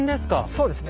そうですね